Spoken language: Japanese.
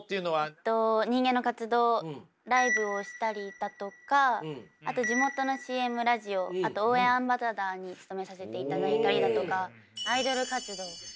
えっと「人間の活動」ライブをしたりだとかあと地元のＣＭラジオあと応援アンバサダーに務めさせていただいたりだとかアイドル活動。